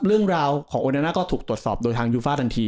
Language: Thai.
เรื่องราวของโอนาก็ถูกตรวจสอบโดยทางยูฟ่าทันที